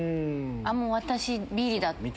もう私ビリだ。